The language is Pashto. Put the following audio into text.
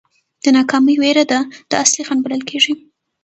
د ناکامۍ وېره ده دا اصلي خنډ بلل کېږي.